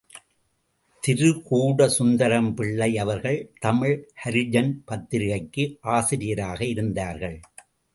திருகூட சுந்தரம் பிள்ளை அவர்கள் தமிழ் ஹரிஜன் பத்திரிகைக்கு ஆசிரியராக இருந்தார்கள்.